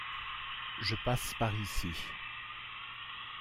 Je passe par ici.